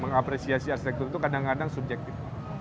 mengapresiasi arsitektur itu kadang kadang subjektif